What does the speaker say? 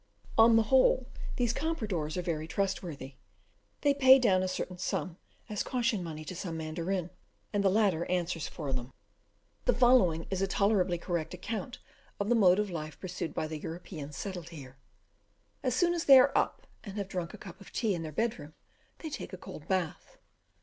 On the whole, these compradors are very trustworthy. They pay down a certain sum, as caution money, to some mandarin, and the latter answers for them. The following is a tolerably correct account of the mode of life pursued by the Europeans settled here. As soon as they are up, and have drunk a cup of tea in their bed room, they take a cold bath.